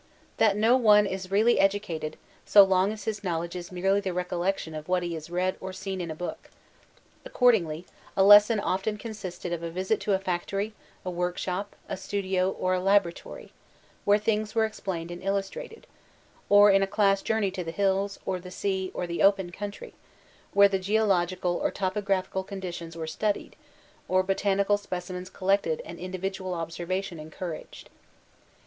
That no one is really educated, so long as his knowledge is merely the recollection of what he has read or seen in a book. Accordingly a lesson often consisted of a visit to a factory, a workshop, a studio, or a laboratory, where things were explained and illustrated ; or in a class journey to the hills, or the sea, or the open 3l6 VOLTAIBINE DE ClEYSB country, where the geological or topographical conditions were studied, or botanical specimens collected and indi vidual observation encouraged.